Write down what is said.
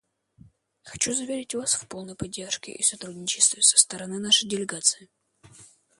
Хочу заверить Вас в полной поддержке и сотрудничестве со стороны нашей делегации.